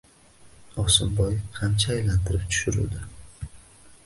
Osimboy qamchi aylantirib tushiruvdi.